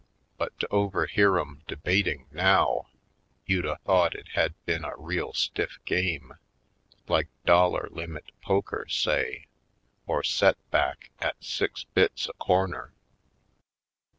But to overhear 'em de bating now, you'd a thought it had been a real stiff game, like dollar limit poker, say, or set back at six bits a corner.